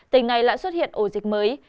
tỉnh này lại xuất hiện ổ dịch mới